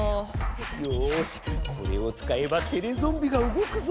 よしこれを使えばテレゾンビがうごくぞ！